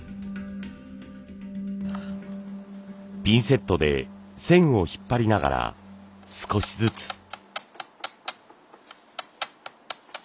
ピンセットで線を引っ張りながら少しずつ。